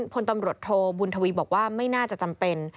พลตำรวจโทบุญทวีบอกว่าไม่น่าจะจำเป็น